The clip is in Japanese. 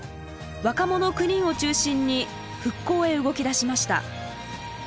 若者９人を中心に復興へ動き出しました。